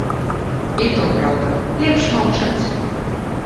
І то праўда, лепш маўчаць.